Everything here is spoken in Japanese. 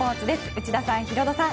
内田さん、ヒロドさん